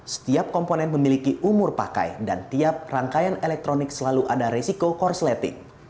setiap komponen memiliki umur pakai dan tiap rangkaian elektronik selalu ada resiko korsleting